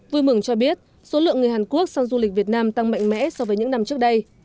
vui mừng cho biết số lượng người hàn quốc sang du lịch việt nam tăng mạnh mẽ so với những năm trước đây